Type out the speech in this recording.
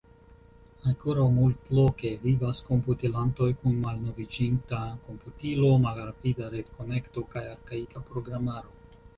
Ankoraŭ multloke vivas komputilantoj kun malnoviĝinta komputilo, malrapida retkonekto kaj arkaika programaro.